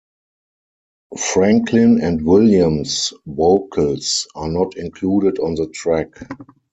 Franklin and Williams' vocals are not included on the track.